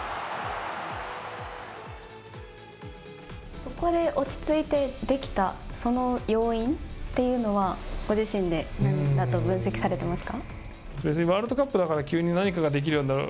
そこで落ち着いてできた、その要因っていうのはご自身でなんだと分析されていますか。